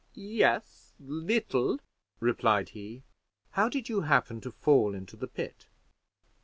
"Yes, little," replied he. "How did you happen to fall into the pit?"